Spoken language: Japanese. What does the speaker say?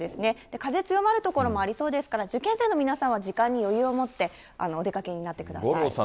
風強まる所もありそうですから、受験生の皆さんは時間に余裕を持って、お出かけになってください。